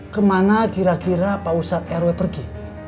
kemana kira kira pausat rw pergi